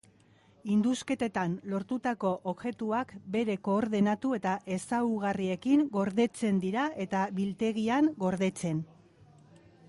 Indusketetan lortutako objektuak bere koordenatu eta ezaugarriekin gordetzen dira eta biltegian gordetzen dira.